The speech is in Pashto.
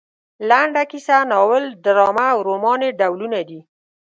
لنډه کیسه ناول ډرامه او رومان یې ډولونه دي.